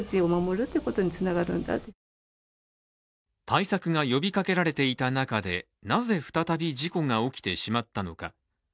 対策が呼びかけられていた中で、なぜ、再び事故が起きてしまったのか。